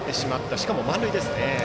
しかも満塁です。